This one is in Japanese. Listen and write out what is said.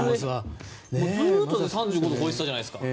ずっと３５度を超えてたじゃないですか。